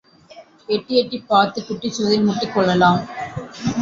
எட்டி எட்டிப் பார்த்துக் குட்டிச் சுவரில் முட்டிக் கொள்ளலாம்.